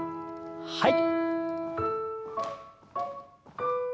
はい。